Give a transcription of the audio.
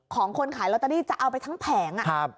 ของคนขายลอตเตอรี่จะเอาไปทั้งแผง